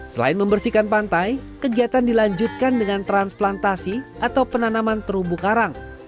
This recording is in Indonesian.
selain membersihkan pantai kegiatan dilanjutkan dengan transplantasi atau penanaman terumbu karang